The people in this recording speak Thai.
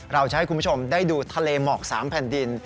เราจะให้คุณผู้ชมได้ดูทะเลหมอก๓แผ่นดิน